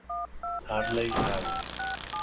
Harley Haver.